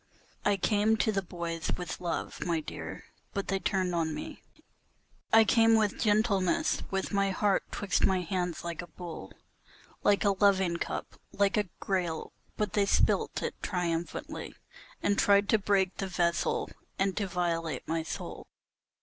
I came to the boys with love, my dear, but they turned on me; I came with gentleness, with my heart 'twixt my hands like a bowl, Like a loving cup, like a grail, but they spilt it triumphantly And tried to break the vessel, and to violate my soul.